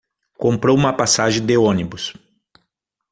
Comprou uma passagem de onibus